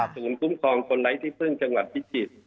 ศูนย์คุ้มครองคนไร้ที่พึ่งจังหวัดพิจิตร